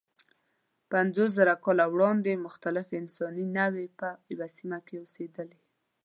پنځوسزره کاله وړاندې مختلفې انساني نوعې په یوه سیمه کې اوسېدلې.